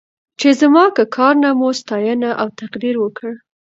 چې زما که کار نه مو ستاینه او تقدير وکړ.